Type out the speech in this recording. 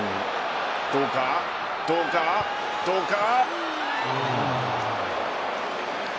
どうか、どうか、どうか。